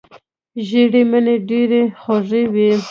ژېړې مڼې ډېرې خوږې وي.